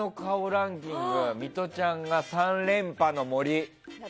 ランキングミトちゃんが３連覇の森。